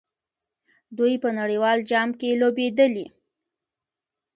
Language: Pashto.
دوی په نړیوال جام کې لوبېدلي.